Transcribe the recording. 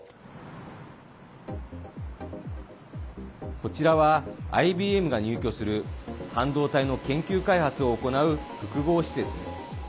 こちらは、ＩＢＭが入居する半導体の研究開発を行う複合施設です。